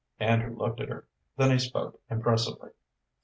Andrew looked at her, then he spoke impressively.